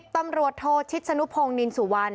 ตำรวจโทชิดสนุพงศ์นินสุวรรณ